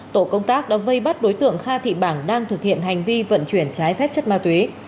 tổ công tác đã vây bắt đối tượng kha thị bảng đang thực hiện hành vi vận chuyển trái phép chất ma túy